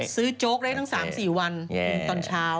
โจ๊กได้ตั้ง๓๔วันตอนเช้า